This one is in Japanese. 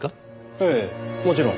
ええもちろん。